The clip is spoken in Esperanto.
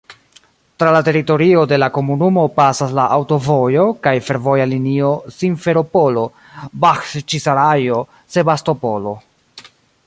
Tra la teritorio de la komunumo pasas la aŭtovojo kaj fervoja linio Simferopolo—Baĥĉisarajo—Sebastopolo.